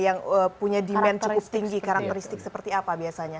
yang punya dimensi cukup tinggi karakteristik seperti apa